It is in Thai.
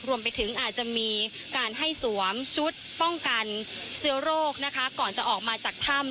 รวมไปถึงอาจจะมีการให้สวมชุดป้องกันเชื้อโรคนะคะก่อนจะออกมาจากถ้ำ